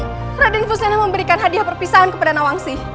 maria dan fusena memberikan hadiah perpisahan kepada nawang sih